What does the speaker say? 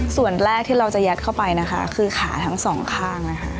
ส่วนแรกที่เราจะยัดเข้าไปนะคะคือขาทั้งสองข้างนะคะ